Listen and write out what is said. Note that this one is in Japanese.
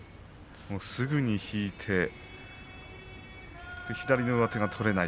すぐに引いて左の上手が取れない。